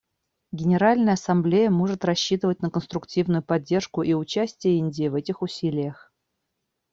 Генеральная Ассамблея может рассчитывать на конструктивную поддержку и участие Индии в этих усилиях.